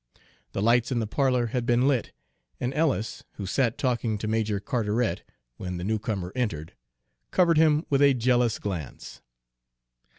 The lights in the parlor had been lit, and Ellis, who sat talking to Major Carteret when the newcomer entered, covered him with a jealous glance.